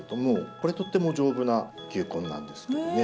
これとっても丈夫な球根なんですけどね。